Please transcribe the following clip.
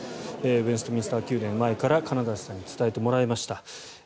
ウェストミンスター宮殿前から金指さんに伝えてもらいました。